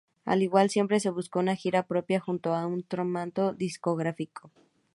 Al igual siempre se buscó una gira propia junto a un contrato discográfico.